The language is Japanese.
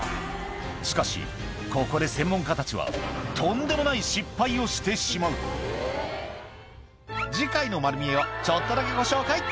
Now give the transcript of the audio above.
しかしここで専門家たちはをしてしまう次回の『まる見え！』をちょっとだけご紹介